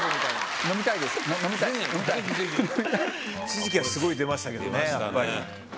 一時期はすごい出ましたけどね。